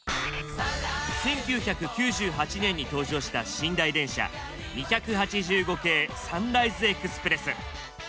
１９９８年に登場した寝台電車２８５系サンライズエクスプレス。